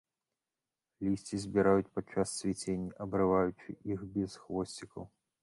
Лісце збіраюць падчас цвіцення, абрываючы іх без хвосцікаў.